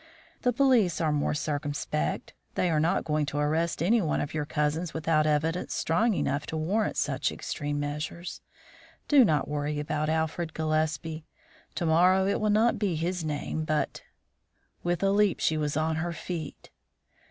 The police are more circumspect; they are not going to arrest any one of your cousins without evidence strong enough to warrant such extreme measures. Do not worry about Alfred Gillespie; to morrow it will not be his name, but " With a leap she was on her feet.